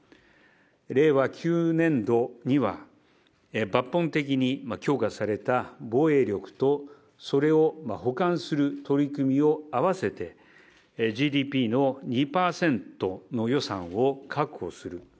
令和９年度には、抜本的に強化された防衛力と、それを補完する取り組みを合わせて、ＧＤＰの２％の予算を確保する。